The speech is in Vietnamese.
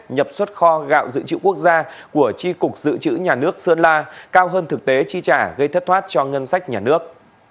nhập xuất kho gạo dự trữ quốc gia của tri cục dự trữ nhà nước sơn la cao hơn thực tế chi trả gây thất thoát cho ngân sách nhà nước